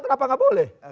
kenapa tidak boleh